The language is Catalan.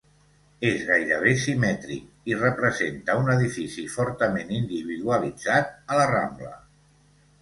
És gairebé simètric, i representa un edifici fortament individualitzat a la Rambla.